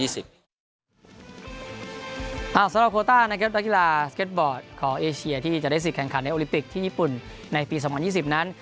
สำหรับโคต้านะครับนักกีฬาสเก็ตบอร์ดของเอเชียที่จะได้สิทธิแข่งขันในโอลิปิกที่ญี่ปุ่นในปี๒๐๒๐นั้น